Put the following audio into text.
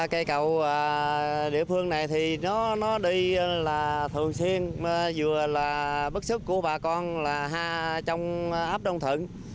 cây cầu địa phương này thì nó đi là thường xuyên vừa là bức xúc của bà con là ha trong ấp đông thận